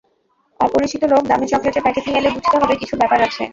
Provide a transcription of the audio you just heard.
অপরিচিত লোক দামী চকলেটের প্যাকেট নিয়ে এলে বুঝতে হবে কিছু ব্যাপার আছে।